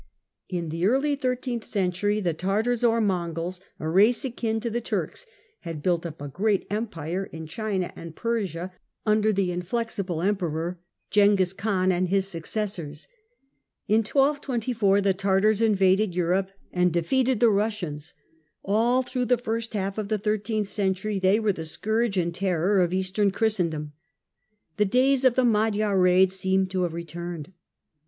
The In the early thirteenth century the Tartars or Mongols, Tartars or i ., m , i i i i t^ • Mongols a race akin to the Turks, had built up a great Empire in China and Persia under the "Inflexible Emperor," Genghiz Khan, and his successors. In 1224 the Tartars invaded Europe and defeated the Eussians. All through the first half of the thirteenth century they were the scourge and terror of Eastern Christendom. The days of the Magyar raids seemed to have returned.